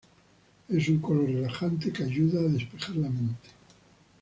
Es un color relajante que ayuda a despejar la mente.